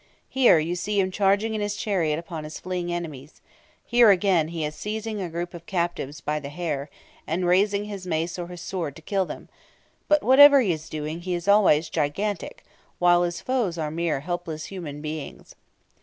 Here you see him charging in his chariot upon his fleeing enemies; here, again, he is seizing a group of captives by the hair, and raising his mace or his sword to kill them; but whatever he is doing, he is always gigantic, while his foes are mere helpless human beings.